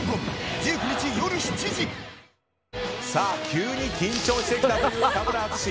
急に緊張してきたという田村淳。